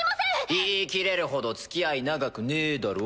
言い切れるほどつきあい長くねぇだろ。